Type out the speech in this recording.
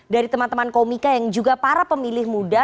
dari teman teman komika yang juga para pemilih muda